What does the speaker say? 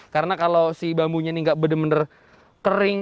karena kalau si bambunya ini gak bener bener keringin